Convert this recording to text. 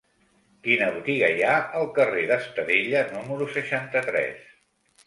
Quina botiga hi ha al carrer d'Estadella número seixanta-tres?